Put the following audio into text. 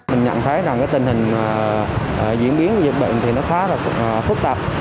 mình nhận thấy tình hình diễn biến dịch bệnh khá là phức tạp